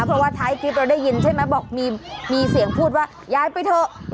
เพราะว่าท้ายคลิปเราได้ยินใช่ไหมบอกมีเสียงพูดว่ายายไปเถอะ